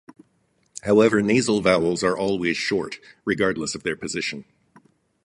However, nasal vowels are always short, regardless of their position.